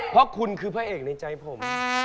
เพราะคุณคือพระเอกในใจผม